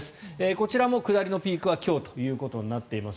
こちらも下りのピークは今日ということになっています。